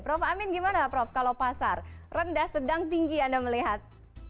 prof amin gimana prof kalau pasar rendah sedang tinggi anda melihat